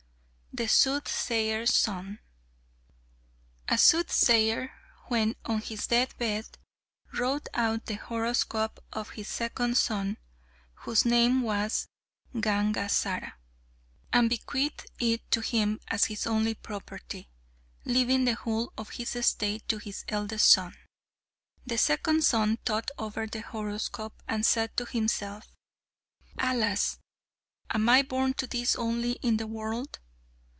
The Soothsayer's Son A soothsayer when on his deathbed wrote out the horoscope of his second son, whose name was Gangazara, and bequeathed it to him as his only property, leaving the whole of his estate to his eldest son. The second son thought over the horoscope, and said to himself: "Alas! am I born to this only in the world?